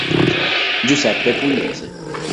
Giuseppe Pugliese